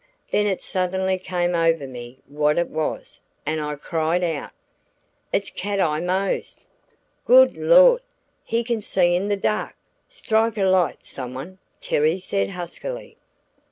Then it suddenly came over me what it was, and I cried out: "It's Cat Eye Mose!" "Good Lord, he can see in the dark! Strike a light, some one," Terry said huskily.